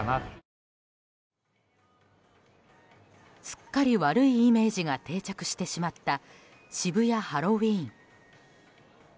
すっかり悪いイメージが定着してしまった渋谷ハロウィーン。